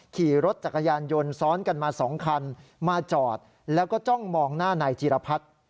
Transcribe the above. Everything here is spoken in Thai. ขี่รถจักรยานยนต์ซ้อนกันมา๒คันมาจอดแล้วก็จ้องมองหน้านายจีรพัฒน์